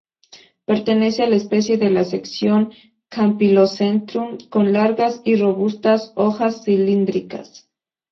Pertenece a la especie de la sección "Campylocentrum" con largas y robustas hojas cilíndricas.